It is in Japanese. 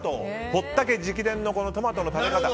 堀田家直伝のトマトの食べ方。